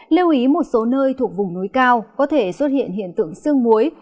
lưu ý một số nơi thuộc vùng núi cao có thể xuất hiện hiện tượng sương muối